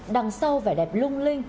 đằng sau vẻ đẹp lung linh